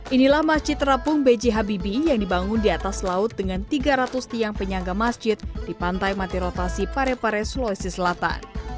inilah masjid terapung bghb yang dibangun di atas laut dengan tiga ratus tiang penyangga masjid di pantai mati rotasi parepare sulawesi selatan